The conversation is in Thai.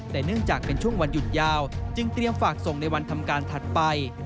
แต่เนื่องจากเป็นช่วงวันหยุดยาวจึงเตรียมฝากส่งในวันทำการถัดไป